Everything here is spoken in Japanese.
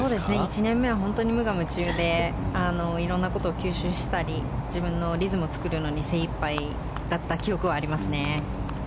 １年目は本当に無我夢中でいろんなことを吸収したり自分のリズムを作るのに精いっぱいだった記憶はありますね。